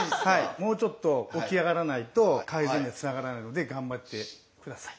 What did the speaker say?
もうちょっと起き上がらないと改善にはつながらないので頑張って下さい。